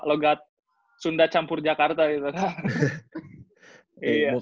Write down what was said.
logat sunda campur jakarta gitu